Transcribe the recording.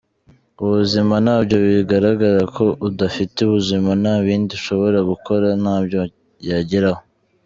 Ubuzima nabyo bigaragara ko udafite ubuzima nta bindi ashobora gukora, ntabyo yageraho.